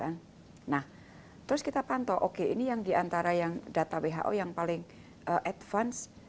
nah terus kita pantau oke ini yang diantara yang data who yang paling advance